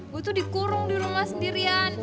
gue tuh dikurung di rumah sendirian